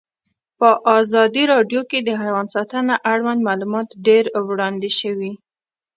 په ازادي راډیو کې د حیوان ساتنه اړوند معلومات ډېر وړاندې شوي.